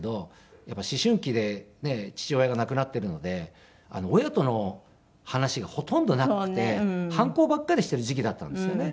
やっぱり思春期で父親が亡くなっているので親との話がほとんどなくて反抗ばっかりしている時期だったんですよね。